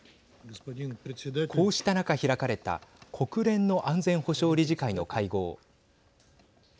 こうした中、開かれた国連の安全保障理事会の会合。